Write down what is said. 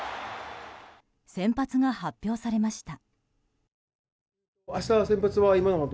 先発が発表されました。